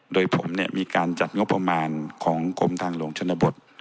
โดยผมเนี่ยมีการจัดงบประมาณของกรมทางหลวงชนบท